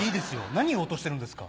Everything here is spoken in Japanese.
何言おうとしてるんですか。